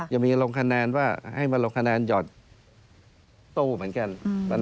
ยังมีลงคะแนนว่าให้มาลงคะแนนหยอดตู้เหมือนกัน